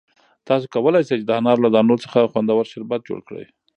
تاسو کولای شئ چې د انار له دانو څخه خوندور شربت جوړ کړئ.